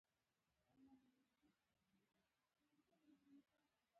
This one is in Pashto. یا فعل له فاعل سره سمون او مطابقت لري په پښتو ژبه.